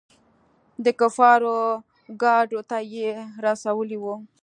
د کفارو ګاډو ته يېم رسولي وو.